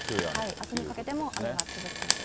あすにかけても雨が続きそうです。